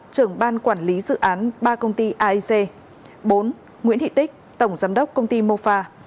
trưởng ban quản lý dự án ba công ty aic bốn nguyễn thị tích tổng giám đốc công ty mofa